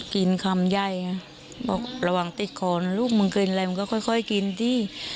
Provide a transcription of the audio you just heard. กินคำไยบอกระหว่างติดคอลูกมึงกินอะไรมึงก็ค่อยกินที่